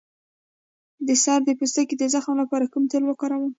د سر د پوستکي د زخم لپاره کوم تېل وکاروم؟